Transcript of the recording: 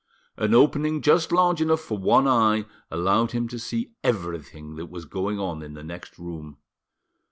An opening just large enough for one eye allowed him to see everything that was going on in the next room.